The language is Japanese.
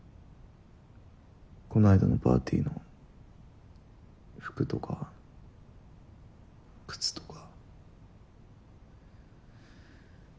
こないだのパーティーの服とか靴とか。